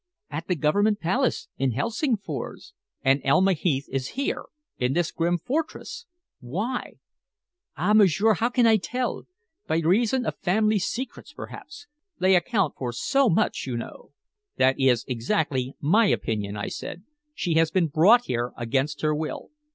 "At the Government Palace, in Helsingfors." "And Elma Heath is here in this grim fortress! Why?" "Ah, m'sieur, how can I tell? By reason of family secrets, perhaps. They account for so much, you know." "That is exactly my opinion," I said. "She has been brought here against her will."